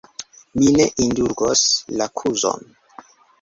Mi ne indulgos la kuzon!